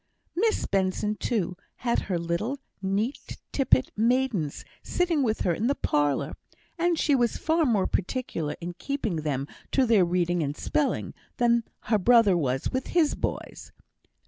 Miss Benson, too, had her little, neat tippeted maidens sitting with her in the parlour; and she was far more particular in keeping them to their reading and spelling, than her brother was with his boys.